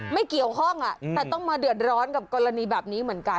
ไม่เกี่ยวข้องแต่ต้องมาเดือดร้อนกับกรณีแบบนี้เหมือนกัน